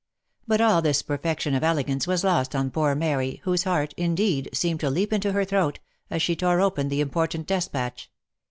But all this per fection of elegance was lost on poor Mary, whose heart, indeed, seemed to leap into her throat, as she tore open the important despatch.